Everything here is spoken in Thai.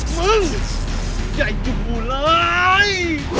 มึงอย่ายุ่งกูเลย